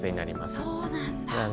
そうなんだ。